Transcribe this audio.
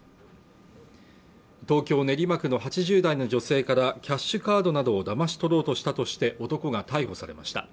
東京練馬区の８０代の女性からキャッシュカードなどをだまし取ろうとしたとして男が逮捕されました